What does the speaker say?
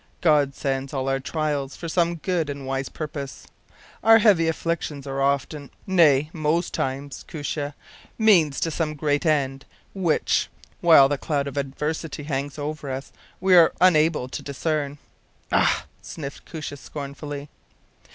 God sends all our trials for some good and wise purpose. Our heaviest afflictions are often, nay, most times, Koosje, means to some great end which, while the cloud of adversity hangs over us, we are unable to discern.” “Ah!” sniffed Koosje, scornfully.